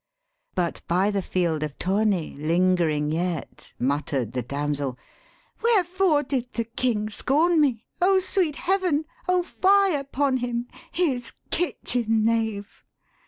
But by the field of tourney lingering yet Mutter'd the damsel, 'Wherefore did the King Scorn me? O sweet heaven! O fie upon him His kitchen knave.'